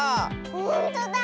ほんとだ！